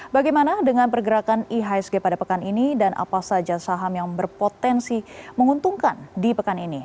bagaimana dengan pergerakan ihsg pada pekan ini dan apa saja saham yang berpotensi menguntungkan di pekan ini